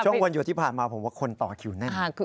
ช่างวันหยุดที่ผ่านมาผมว่าคนต่อไขว์นั่น